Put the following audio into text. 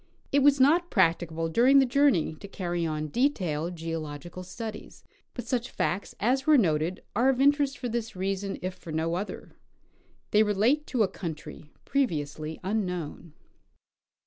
It was not practicable during the journey to carry on detailed geological studies, but such facts as were noted are of interest, for this reason, if for no other : they relate to a country previously unknown.